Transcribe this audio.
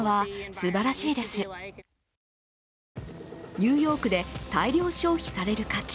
ニューヨークで大量消費されるカキ。